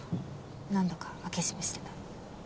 何度か開け閉めしてた。